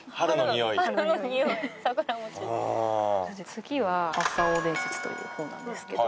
次は『アーサー王伝説』という本なんですけど。